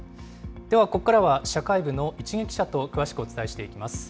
ではここからは社会部の市毛記者と詳しくお伝えしていきます。